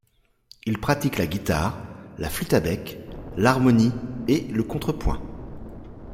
Il pratique la guitare, la flûte à bec, l’harmonie et le contrepoint.